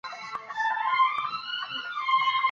افغان مشرانو د مکناتن د نیولو وروسته د وسلو غوښتنه وکړه.